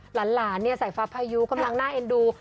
หลานใส่ฟ้าพายุกำลังน่าเอ็นดู